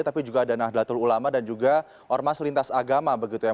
tapi juga ada nahdlatul ulama dan juga ormas lintas agama begitu ya